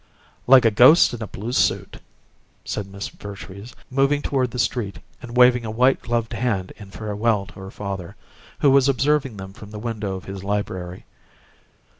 "Like a ghost in a blue suit," said Miss Vertrees, moving toward the street and waving a white gloved hand in farewell to her father, who was observing them from the window of his library.